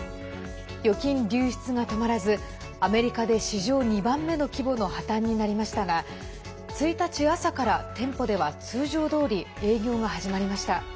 預金流出が止まらずアメリカで史上２番目の規模の破綻になりましたが１日朝から店舗では通常どおり営業が始まりました。